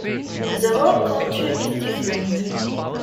The work culture is different.